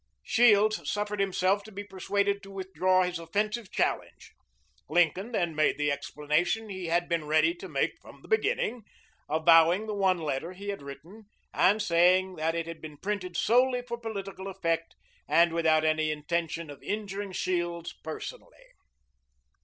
Shields suffered himself to be persuaded to withdraw his offensive challenge. Lincoln then made the explanation he had been ready to make from the beginning; avowing the one letter he had written, and saying that it had been printed solely for political effect, and without any intention of injuring Shields personally.